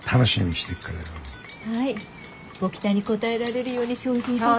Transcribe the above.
はいご期待に応えられるように精進いたします。